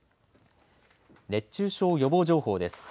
熱中症予防情報です。